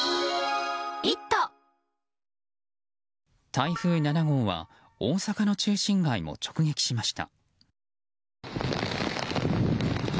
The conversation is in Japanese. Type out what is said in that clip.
台風７号は大阪の中心街も直撃しました。